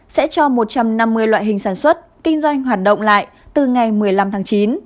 sẽ cho một trăm năm mươi loại hình sản xuất kinh doanh hoạt động lại từ ngày một mươi năm tháng chín